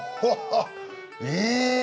え！